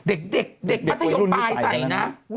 เด็กประธิโยมปลายใส่นะ